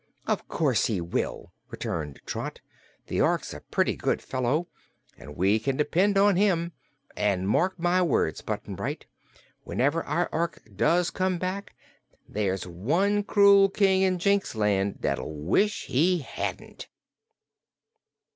"Of course he will!" returned Trot. "The Ork's a pretty good fellow, and we can depend on him. An' mark my words, Button Bright, whenever our Ork does come back, there's one cruel King in Jinxland that'll wish he hadn't."